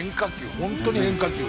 本当に変化球。